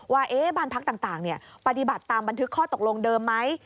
ว่าบ้านพักต่างปฏิบัติตามบันทึกข้อตกลงเดิมไหม